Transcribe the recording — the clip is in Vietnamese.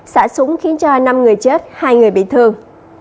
xả súng khiến cho năm người chết hai người bị thương